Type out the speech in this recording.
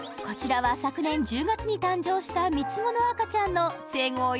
こちらは昨年１０月に誕生した３つ子の赤ちゃんの生後